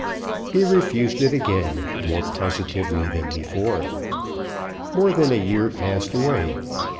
He refused it again more positively than before. More than a year passed away.